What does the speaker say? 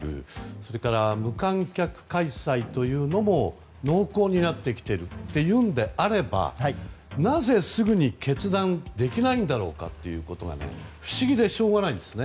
それから無観客開催というのも濃厚になってきているっていうんであればなぜすぐに決断をできないんだろうかということが不思議でしょうがないんですね。